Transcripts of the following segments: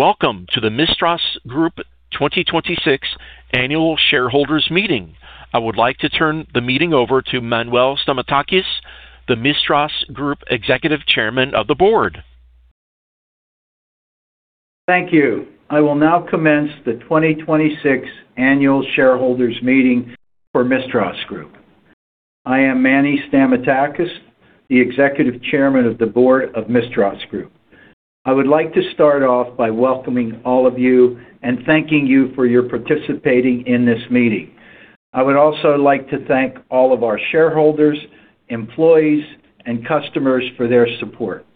Welcome to the Mistras Group 2026 Annual Shareholders Meeting. I would like to turn the meeting over to Manuel Stamatakis, the Mistras Group Executive Chairman of the Board. Thank you. I will now commence the 2026 Annual Shareholders Meeting for Mistras Group. I am Manny Stamatakis, the Executive Chairman of the Board of Mistras Group. I would like to start off by welcoming all of you and thanking you for your participating in this meeting. I would also like to thank all of our shareholders, employees, and customers for their support.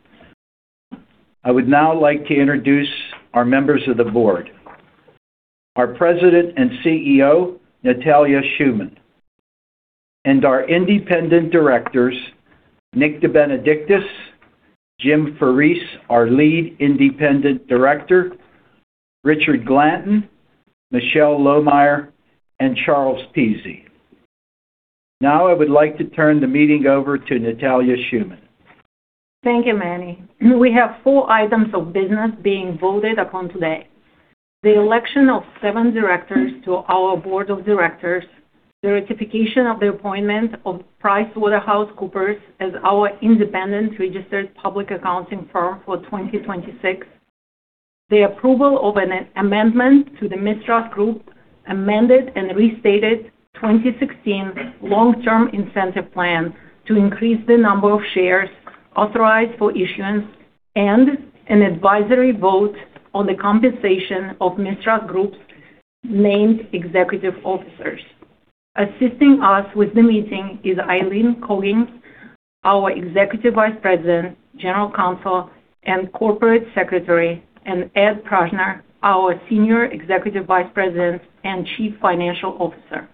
I would now like to introduce our members of the board. Our President and CEO, Natalia Shuman, and our Independent Directors, Nick DeBenedictis, Jim Forese, our Lead Independent Director, Richard Glanton, Michelle Lohmeier, and Charles Pizzi. Now, I would like to turn the meeting over to Natalia Shuman. Thank you, Manny. We have four items of business being voted upon today. The election of seven directors to our Board of Directors, the ratification of the appointment of PricewaterhouseCoopers as our independent registered public accounting firm for 2026, the approval of an amendment to the Mistras Group amended and restated 2016 Long-Term Incentive Plan to increase the number of shares authorized for issuance and an advisory vote on the compensation of Mistras Group's named executive officers. Assisting us with the meeting is Eileen Coggins, our Executive Vice President, General Counsel, and Corporate Secretary, and Ed Prajzner, our Senior Executive Vice President and Chief Financial Officer.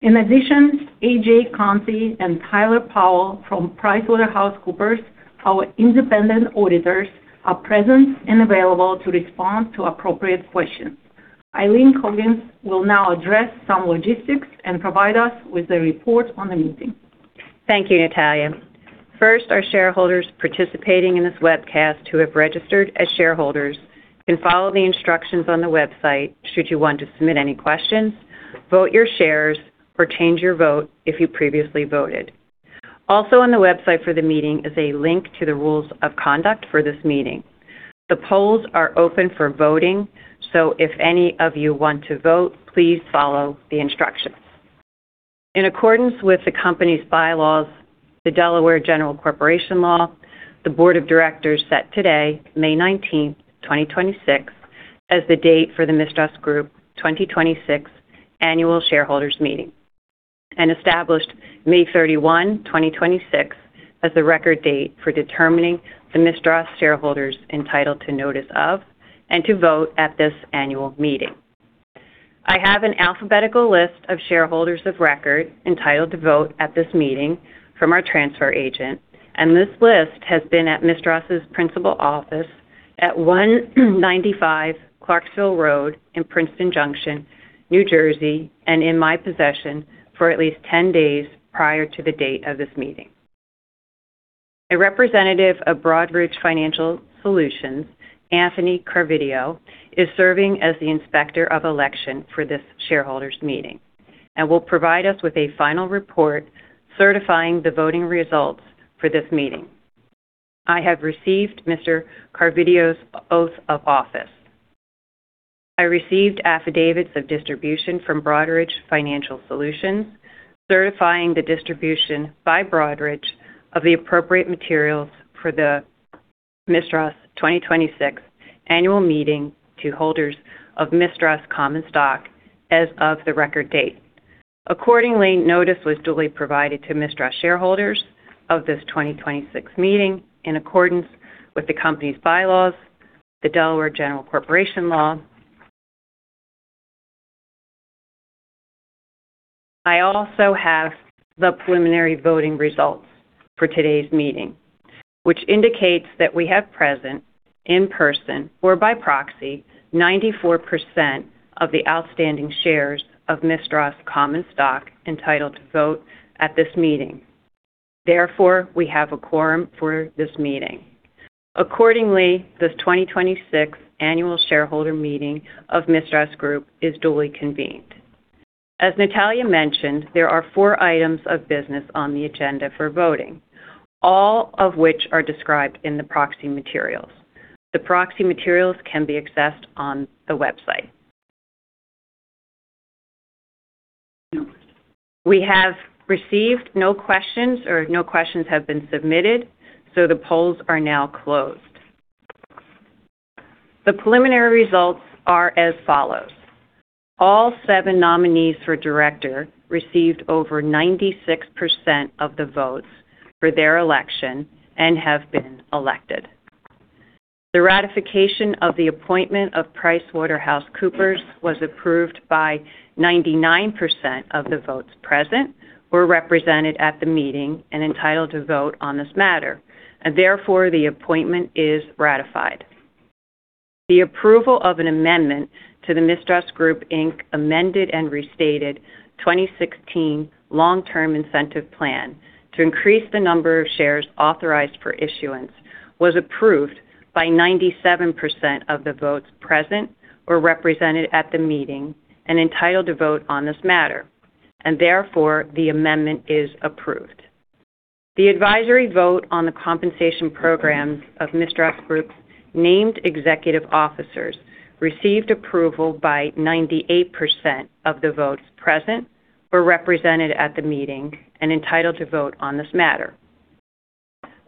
In addition, AJ Conti and Tyler Powell from PricewaterhouseCoopers, our independent auditors, are present and available to respond to appropriate questions. Eileen Coggins will now address some logistics and provide us with a report on the meeting. Thank you, Natalia. First, our shareholders participating in this webcast who have registered as shareholders can follow the instructions on the website should you want to submit any questions, vote your shares, or change your vote if you previously voted. Also on the website for the meeting is a link to the rules of conduct for this meeting. The polls are open for voting. If any of you want to vote, please follow the instructions. In accordance with the company's bylaws, the Delaware General Corporation Law, the Board of Directors set today, May 19th, 2026, as the date for the Mistras Group 2026 Annual Shareholders Meeting and established May 31, 2026 as the record date for determining the Mistras shareholders entitled to notice of and to vote at this Annual Meeting. I have an alphabetical list of shareholders of record entitled to vote at this meeting from our transfer agent, and this list has been at Mistras's principal office at 195 Clarksville Road in Princeton Junction, New Jersey, and in my possession for at least 10 days prior to the date of this meeting. A representative of Broadridge Financial Solutions, Anthony Carideo, is serving as the Inspector of Election for this shareholders meeting and will provide us with a final report certifying the voting results for this meeting. I have received Mr. Carideo's Oath of Office. I received affidavits of distribution from Broadridge Financial Solutions, certifying the distribution by Broadridge of the appropriate materials for the Mistras 2026 Annual Meeting to holders of Mistras common stock as of the record date. According notice was duly provided to Mistras shareholders of this 2026 meeting in accordance with the company's bylaws, the Delaware General Corporation Law. I also have the preliminary voting results for today's meeting, which indicates that we have present in person or by proxy 94% of the outstanding shares of Mistras common stock entitled to vote at this meeting. We have a quorum for this meeting. This 2026 Annual Shareholder Meeting of Mistras Group is duly convened. As Natalia mentioned, there are four items of business on the agenda for voting, all of which are described in the proxy materials. The proxy materials can be accessed on the website. We have received no questions or no questions have been submitted, so the polls are now closed. The preliminary results are as follows. All seven nominees for director received over 96% of the votes for their election and have been elected. The ratification of the appointment of PricewaterhouseCoopers was approved by 99% of the votes present or represented at the meeting and entitled to vote on this matter, and therefore, the appointment is ratified. The approval of an amendment to the Mistras Group, Inc. amended and restated 2016 Long-Term Incentive Plan to increase the number of shares authorized for issuance was approved by 97% of the votes present or represented at the meeting and entitled to vote on this matter, and therefore the amendment is approved. The advisory vote on the compensation programs of Mistras Group's named executive officers received approval by 98% of the votes present or represented at the meeting and entitled to vote on this matter.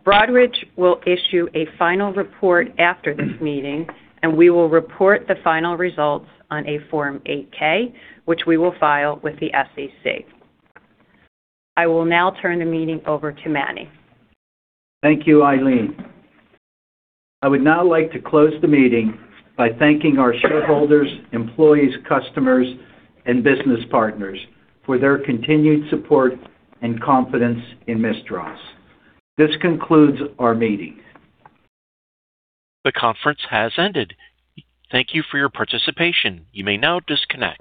Broadridge will issue a final report after this meeting, and we will report the final results on a Form 8-K, which we will file with the SEC. I will now turn the meeting over to Manny. Thank you, Eileen. I would now like to close the meeting by thanking our shareholders, employees, customers, and business partners for their continued support and confidence in Mistras. This concludes our meeting. The conference has ended. Thank you for your participation. You may now disconnect.